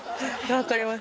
わかります。